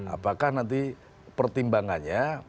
apakah nanti pertimbangannya